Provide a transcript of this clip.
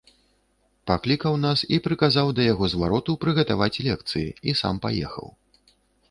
Паклікаў нас і прыказаў да яго звароту прыгатаваць лекцыі і сам паехаў.